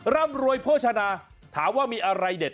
ร่ำรวยโภชนาถามว่ามีอะไรเด็ด